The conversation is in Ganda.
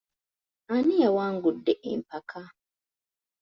Ani yawangudde empaka?